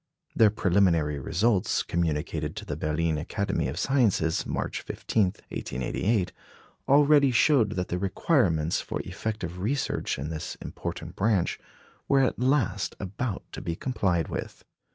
Their preliminary results, communicated to the Berlin Academy of Sciences, March 15, 1888, already showed that the requirements for effective research in this important branch were at last about to be complied with.